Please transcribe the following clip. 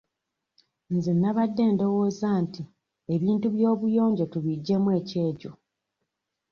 Nze nnabadde ndowooza nti ebintu by'obuyonjo tubiggyemu ekyejo.